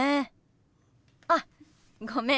あごめん。